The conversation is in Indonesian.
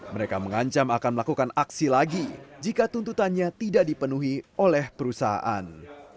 mereka mengancam akan melakukan aksi lagi jika tuntutannya tidak dipenuhi oleh perusahaan